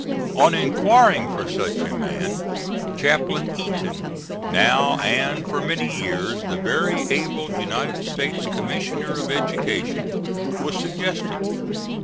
On inquiring for such a man Chaplain Eaton, now and for many years the very able United States Commissioner of Education, was suggested.